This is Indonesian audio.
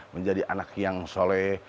menjadi anak yang soleh